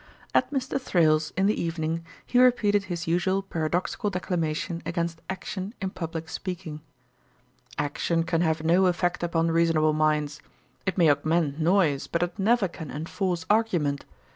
At Mr. Thrale's, in the evening, he repeated his usual paradoxical declamation against action in publick speaking. 'Action can have no effect upon reasonable minds. It may augment noise, but it never can enforce argument.